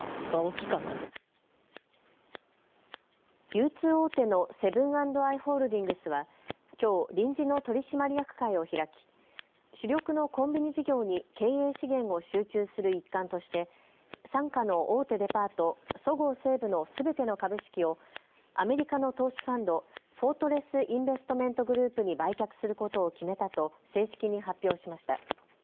流通大手のセブン＆アイ・ホールディングスはきょう、臨時の取締役会を開き主力のコンビニ事業に経営資源を集中する一環として傘下の大手デパートそごう・西武のすべての株式をアメリカの投資ファンド、フォートレス・インベストメント・グループに売却することを決めたと正式に発表しました。